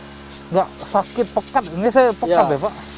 tidak sakit pekat ini saya pekat ya pak